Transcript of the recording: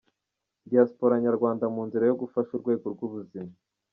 Diaspora Nyarwanda mu nzira yo gufasha urwego rw’ubuzima.